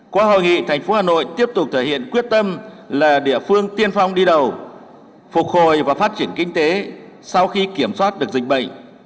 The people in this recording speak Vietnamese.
qua hội nghị thành phố hà nội tiếp tục thể hiện quyết tâm là địa phương tiên phong đi đầu phục hồi và phát triển kinh tế sau khi kiểm soát được dịch bệnh